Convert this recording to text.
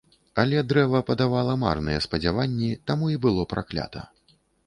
Але дрэва падавала марныя спадзяванні, таму і было праклята.